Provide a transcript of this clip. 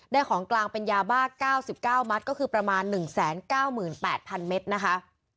ของกลางเป็นยาบ้า๙๙มัตต์ก็คือประมาณ๑๙๘๐๐๐เมตรนะคะ